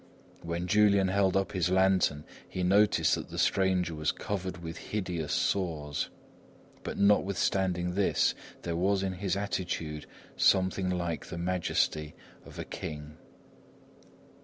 When Julian held up his lantern he noticed that the stranger was covered with hideous sores; but notwithstanding this, there was in his attitude something like the majesty of a king.